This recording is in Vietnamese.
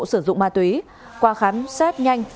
sử dụng ma túy qua khám xét nhanh